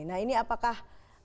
nah ini apakah